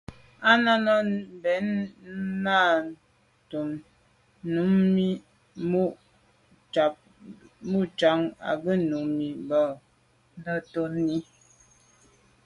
Â Náná bɛ̂n náɁ tɔ́ Númí mû ŋgáp á gə́ Númí bɛ̂n náɁ tɔ́n–í.